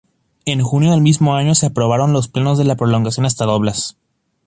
En junio del mismo año se aprobaron los planos de la prolongación hasta Doblas.